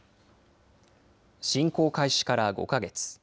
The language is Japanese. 侵攻開始から５か月。